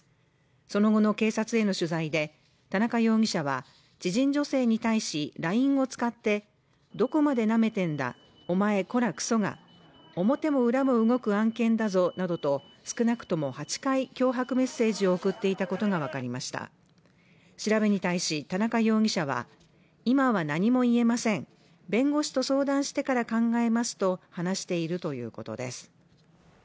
その後の警察への取材で田中容疑者は知人女性に対しＬＩＮＥを使ってどこまでなめてんだお前コラくそが表も裏も動く案件だぞなどと少なくとも８回脅迫メッセージを送っていたことが分かりました調べに対し田中容疑者は今は何も言えません弁護士と相談してから考えますと話しているということです